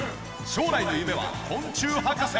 将来の夢は昆虫博士。